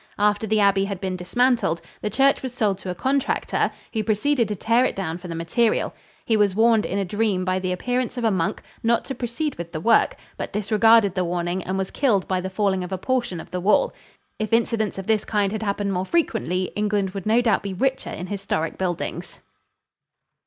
After the abbey had been dismantled, the church was sold to a contractor, who proceeded to tear it down for the material. He was warned in a dream by the appearance of a monk not to proceed with the work, but disregarded the warning and was killed by the falling of a portion of the wall. If incidents of this kind had happened more frequently England would no doubt be richer in historic buildings.